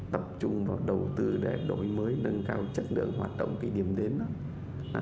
tập trung vào đầu tư để đổi mới nâng cao chất lượng hoạt động cái điểm đến